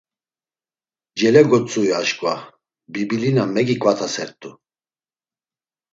Celegotzui aşǩva bibilina megiǩvatasert̆u.